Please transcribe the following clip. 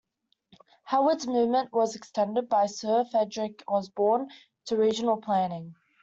Howard's movement was extended by Sir Frederic Osborn to regional planning.